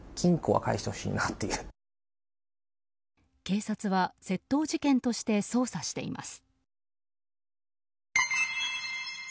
警察は、窃盗事件として捜査しています。